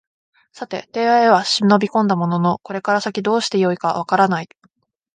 さて邸へは忍び込んだもののこれから先どうして善いか分からない